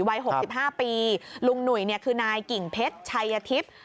วัย๖๕ปีลุงหนุ่ยเนี่ยคือนายกิ่งเพชรชัยทิพย์